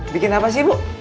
bikin apa sih bu